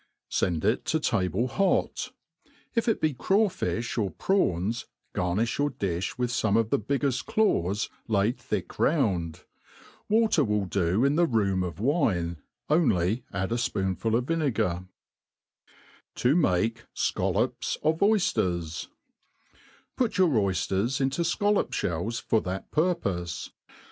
Send ft to table hot. If it be craw fifh or prawQSy garoifh your difli with fome of the biggeft claws laid thick round. Water will do in the room, of wine, only add a fpoooful of vinegar^ ♦ PUT your oyfters into fcollop ihells for that purpofe.